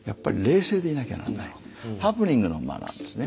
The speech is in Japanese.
ハプニングのマナーですね。